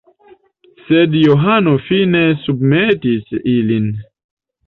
Sed Johano fine submetis ilin.